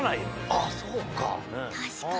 あっそうか。